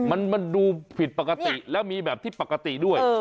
มันดูผิดปกติแล้วมีแบบที่ปกติด้วย